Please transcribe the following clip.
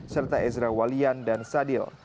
serta ezra walian dan sadil